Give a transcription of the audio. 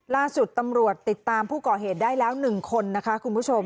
ล่าสุดตำรวจติดตามผู้ก่อเหตุได้แล้ว๑คนนะคะคุณผู้ชม